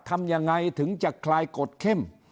ทำยังไงถึงจะคลายกฎเข้ม